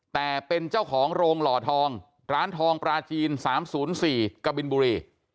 แต่เป็นเจ้าของโรงหล่อทองร้านทองปลาจีนสามศูนย์สี่กบิลบุรี